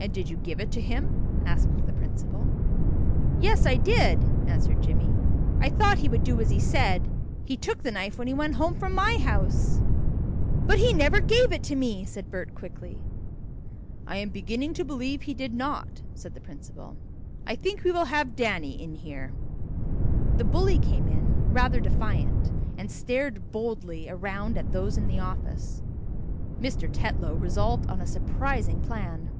"And did you give it to him?" asked the principal. "Yes, I did," answered Jimmie. "I thought he would do as he said. He took the knife when he went home from my house." "But he never gave it to me!" said Bert quickly. "I am beginning to believe he did not," said the principal. "I think we will have Danny in here." The bully came in rather defiant, and stared boldly around at those in the office. Mr. Tetlow resolved on a surprising plan.